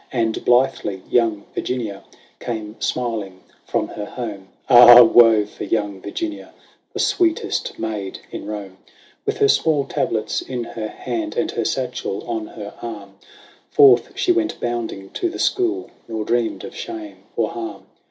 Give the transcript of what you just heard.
And blithely young Virginia came smiling from her home : Ah ! woe for young Virginia, the sweetest maid in Home ! With her small tablets in her hand, and her satchel on her arm, Forth she went bounding to the school, nor dreamed of shame or harm.